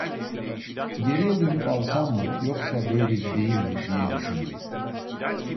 Geriye dönüp alsam mı, yoksa böyle gideyim mi, diye düşündü.